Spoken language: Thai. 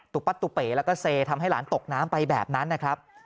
ปัตุเป๋แล้วก็เซทำให้หลานตกน้ำไปแบบนั้นนะครับ